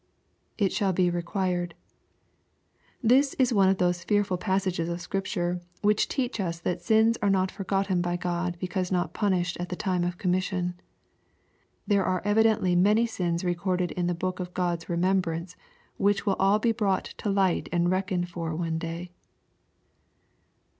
[It shall he required,] This is one of those fearful passages oi' Scripture which teach us that sins are not forgotten by God be cause not punished at the time of commission. There are evi dently many sins recorded in the book of God's remembrance which will all be brought to light and reckoned for one day.